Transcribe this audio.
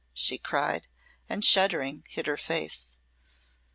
she cried, and shuddering, hid her face.